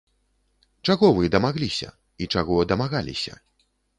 Чаго вы дамагліся, і чаго дамагаліся?